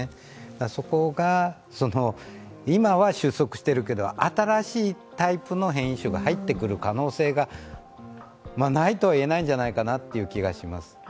そこが今は収束しているけど、新しいタイプの変異種が入ってくる可能性がないとはいえないんじゃないかなという気がします。